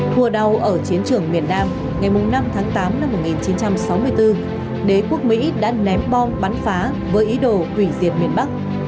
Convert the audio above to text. tháng tám năm một nghìn chín trăm sáu mươi bốn đế quốc mỹ đã ném bom bắn phá với ý đồ quỷ diệt biển bắc